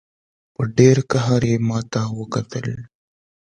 په ډېر قهر یې ماته وکتل.